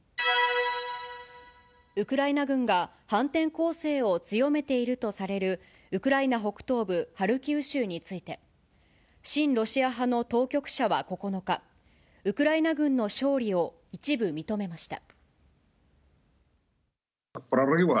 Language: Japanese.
ウクライナ軍が反転攻勢を強めているとされるウクライナ北東部ハルキウ州について、親ロシア派の当局者は９日、ウクライナ軍の勝利を一部認めました。